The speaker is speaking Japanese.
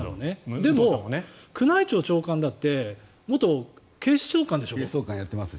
でも宮内庁長官だって元警視総監でしょ？